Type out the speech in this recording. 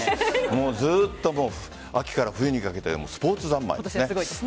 ずっと秋から冬にかけてスポーツ三昧ですね。